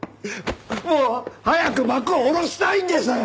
もう早く幕を下ろしたいんです！